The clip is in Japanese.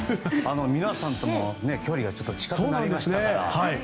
皆さんとも距離が近くなりましたから。